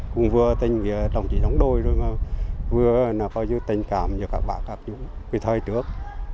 cùng vua tên đồng chỉ đồng đội vua tên tình cảm cho các bà các chú quý thầy trước